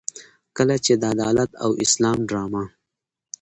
کله چې د عدالت او اسلام ډرامه.